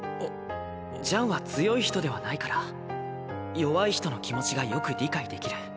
ジャンは強い人ではないから弱い人の気持ちがよく理解できる。